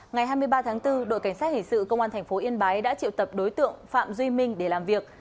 ngày hai mươi ba tháng bốn đội cảnh sát hình sự công an tp yên bái đã triệu tập đối tượng phạm duy minh để làm việc